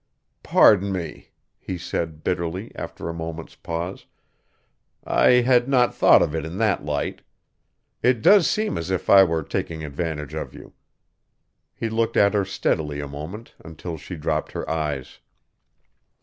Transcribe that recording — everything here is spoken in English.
"Pardon me," he said bitterly, after a moment's pause. "I had not thought of it in that light. It does seem as if I were taking advantage of you." He looked at her steadily a moment until she dropped her eyes.